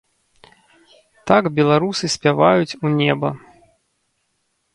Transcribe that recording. Так беларусы спяваюць у неба.